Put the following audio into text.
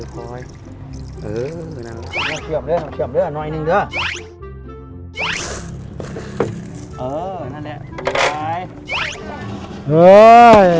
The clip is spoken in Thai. เออเหนื่อยหนึ่งด้วยเออนั่นแหละเหนื่อยโอ้ยเหนื่อย